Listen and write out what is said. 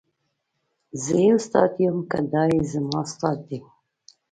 زه یې استاد یم که دای زما استاد دی.